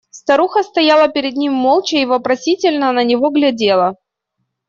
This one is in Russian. Старуха стояла перед ним молча и вопросительно на него глядела.